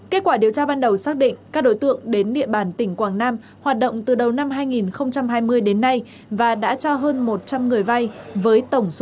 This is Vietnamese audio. kết quả điều tra ban đầu xác định các đối tượng đến địa bàn tỉnh quảng nam hoạt động từ đầu năm hai nghìn hai mươi đến nay và đã cho hơn một trăm linh người vai với tổng số tiền